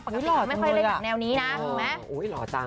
อุ๊ยหล่อจังเลยประกันที่เราไม่ค่อยเล่นหนังแนวนี้นะถูกไหมโอ้ยหล่อจัง